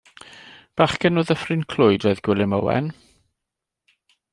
Bachgen o Ddyffryn Clwyd oedd Gwilym Owen.